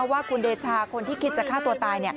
ว่าคุณเดชาคนที่คิดจะฆ่าตัวตาย